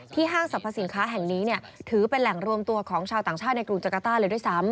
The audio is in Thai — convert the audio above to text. ห้างสรรพสินค้าแห่งนี้ถือเป็นแหล่งรวมตัวของชาวต่างชาติในกรุงจักรต้าเลยด้วยซ้ำ